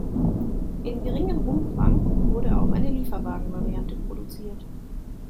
In geringem Umfang wurde auch eine Lieferwagen-Variante produziert.